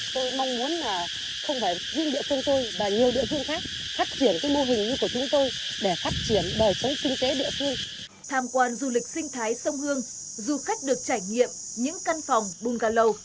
tham quan du lịch sinh thái sông hương du khách được trải nghiệm những căn phòng bunga lầu